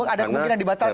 ada mungkin yang dibatalkan